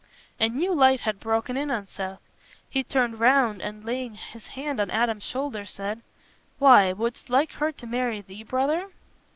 A new light had broken in on Seth. He turned round, and laying his hand on Adam's shoulder, said, "Why, wouldst like her to marry thee, brother?"